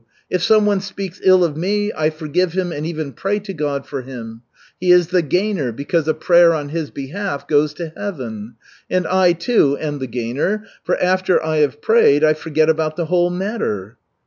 If someone speaks ill of me, I forgive him and even pray to God for him. He is the gainer because a prayer on his behalf goes to Heaven, and I, too, am the gainer, for after I have prayed I forget about the whole matter."